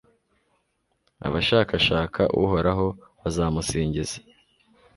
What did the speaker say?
abashakashaka uhoraho bazamusingiza